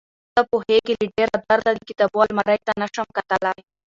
ته پوهېږې له ډېره درده د کتابو المارۍ ته نشم کتلى.